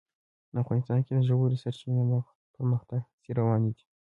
افغانستان کې د ژورې سرچینې د پرمختګ هڅې روانې دي.